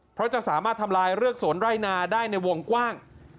เพราะจะสามารถทำลายเรือกสวนไร่นาได้ในวงกว้าง